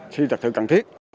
khi thực sự cần thiết